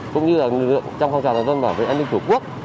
cũng như lực lượng trong phong trào đảm bảo vệ an ninh của quốc